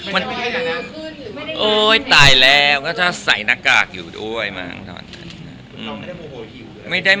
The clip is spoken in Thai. ไม่มีเยี่ยมหรือ